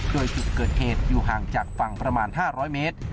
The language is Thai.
โดยจุดเกิดเหตุอยู่ห่างจากฝั่งประมาณ๕๐๐เมตร